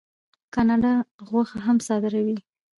کاناډا غوښه هم صادروي.